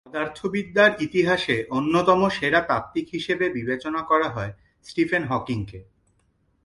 পদার্থবিদ্যার ইতিহাসে অন্যতম সেরা তাত্ত্বিক হিসেবে বিবেচনা করা হয় স্টিফেন হকিংকে।